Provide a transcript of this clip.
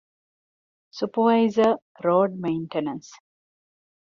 ސްޕަވައިޒަރ، ރޯޑް މެއިންޓެނަންސް